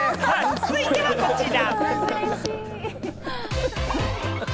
続いてはこちら。